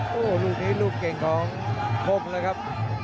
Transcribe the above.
โอ้โหลูกนี้ลูกเก่งของคมเลยครับ